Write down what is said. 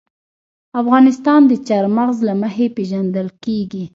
افغانستان د چار مغز له مخې پېژندل کېږي.